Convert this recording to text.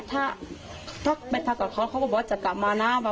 ถ้าไม่ทักกับเขาเขาก็บอกว่าจะกลับมานะ